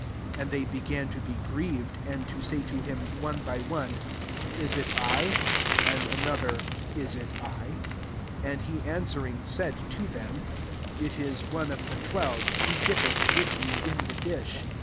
19 And th^ began to be grieved, and to sm to him, rone by one, «* Isit I ?^ [and another, «• Is it I ?"1 SO And he [answering,] said to them, " ItU one of the twelve* who dippeth with me iu the dish.